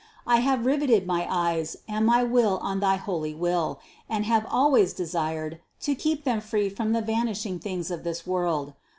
I have riveted my eyes and my will on thy holy Will and have always desired to keep them free from the vanishing things of this world.